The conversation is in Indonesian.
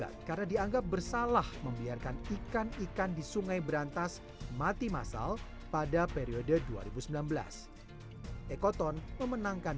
telah membiarkan ikan ikan di sungai berantas mati masal pada periode dua ribu sembilan belas ekoton memenangkan